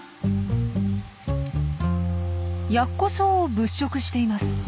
ヤッコソウを物色しています。